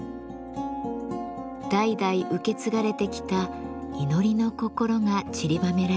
代々受け継がれてきた祈りの心がちりばめられています。